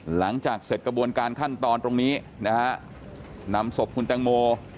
หลังจากเสร็จกระบวนการขั้นตอนตรงนี้นะฮะนำศพคุณแตงโม